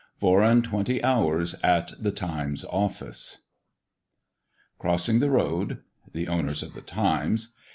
Four and twenty Hours at the Times' Office. CROSSING THE ROAD. THE OWNERS OF THE "TIMES."